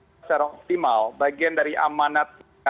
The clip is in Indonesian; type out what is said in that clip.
secara optimal bagian dari amanat